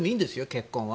結婚は。